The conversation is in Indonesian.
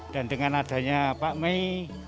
dan dengan adanya pak may